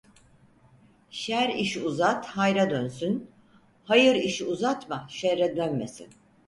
Şer işi uzat hayra dönsün, hayır işi uzatma şerre dönmesin.